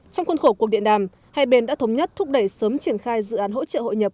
trong khuôn khổ cuộc điện đàm hai bên đã thống nhất thúc đẩy sớm triển khai dự án hỗ trợ hội nhập